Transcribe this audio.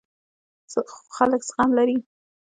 خو خلک زغم لري.